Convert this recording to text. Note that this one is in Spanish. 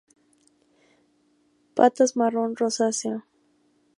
Patas marrón rosáceo.